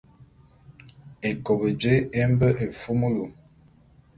Ékop jé e mbe éfumulu.